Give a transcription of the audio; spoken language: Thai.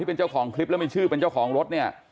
เป็นเจ้าของคลิปแล้วมีชื่อเป็นเจ้าของรถเนี่ย